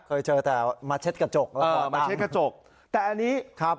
เคยเจอแต่มาเช็ดกระจกแล้วก่อนมาเช็ดกระจกแต่อันนี้ครับ